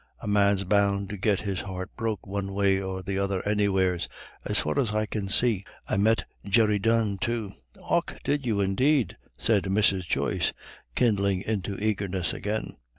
A man's bound to get his heart broke one way or the other anywheres, as far as I can see. I met Jerry Dunne too." "Och and did you indeed?" said Mrs. Joyce, kindling into eagerness again.